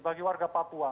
bagi warga papua